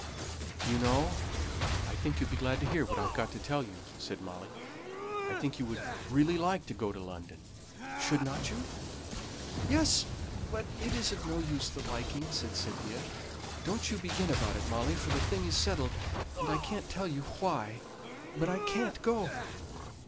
"Do you know, I think you'll be glad to hear what I've got to tell you," said Molly. "I think you would really like to go to London; shouldn't you?" "Yes, but it's of no use liking," said Cynthia. "Don't you begin about it, Molly, for the thing is settled; and I can't tell you why, but I can't go."